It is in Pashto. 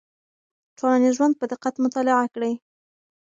ټولنیز ژوند په دقت مطالعه کړئ.